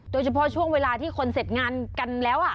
โดยเฉพาะช่วงเวลาที่คนเสร็จงานกันแล้ว